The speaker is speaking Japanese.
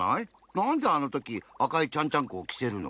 なんであのとき赤いちゃんちゃんこをきせるの？